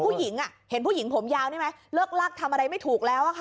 ผู้หญิงเห็นผู้หญิงผมยาวนี่ไหมเลิกลักทำอะไรไม่ถูกแล้วค่ะ